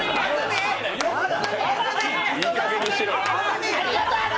いいかげんにしろ。